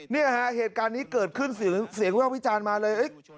เนี่ยฮะเหตุการณ์นี้เกิดขึ้นเสียงแว่วิจารณ์มาเลย